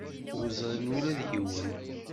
Ur ẓrin ula d yiwen?